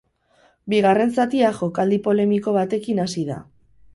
Bigarren zatia jokaldi polemiko batekin hasi da.